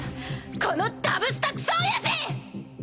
このダブスタクソおやじ！